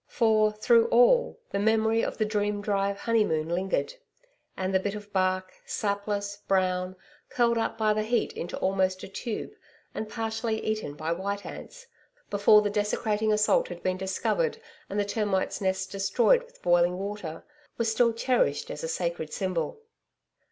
For, through all, the memory of the dream drive honeymoon lingered. And the bit of bark, sapless, brown, curled up by the heat into almost a tube, and partially eaten by white ants before the desecrating assault had been discovered and the termites' nest destroyed with boiling water was still cherished as a sacred symbol.